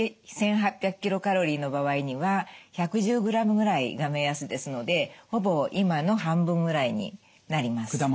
１日１８００ｋｃａｌの場合には１１０ｇぐらいが目安ですのでほぼ今の半分ぐらいになります。